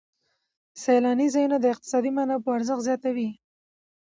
سیلاني ځایونه د اقتصادي منابعو ارزښت ډېر زیاتوي.